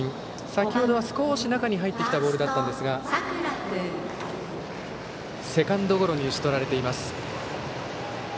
先程は少し中に入ってきたボールだったんですがセカンドゴロに打ち取られています。